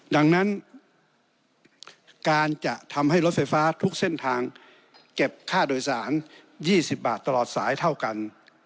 ดังนั้นการจะทำให้รถไฟฟ้าทุกเส้นทางเก็บค่าโดยสาร๒๐บาทตลอดสายเท่ากัน